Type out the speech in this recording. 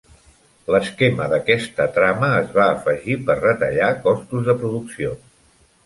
L'esquema d'aquesta trama es va afegir per retallar costos de producció.